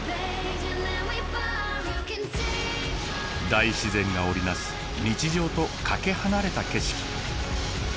大自然が織り成す日常とかけ離れた景色。